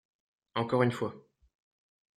Encore une fois!